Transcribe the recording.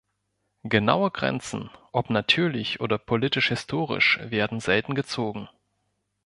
Genaue Grenzen, ob natürlich oder politisch-historisch, werden selten gezogen.